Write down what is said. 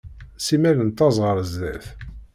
Simmal nettaẓ ɣer zdat.